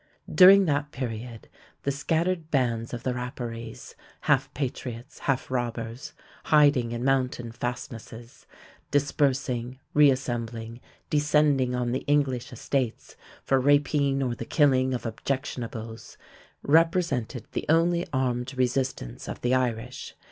During that period the scattered bands of the Rapparees, half patriots, half robbers, hiding in mountain fastnesses, dispersing, reassembling, descending on the English estates for rapine or the killing of "objectionables," represented the only armed resistance of the Irish.